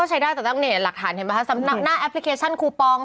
ใช้ได้จากด้านไหนสำนักแอปพลิเคชันคูปอนก